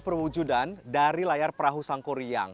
perwujudan dari layar perahu sangkuriang